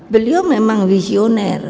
beliau memang visioner